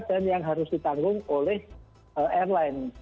dan yang harus ditanggung oleh airline